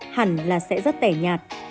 hẳn là sẽ rất tẻ nhạt